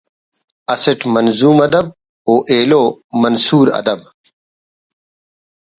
اسٹ منظوم ادب و ایلو منثور ادب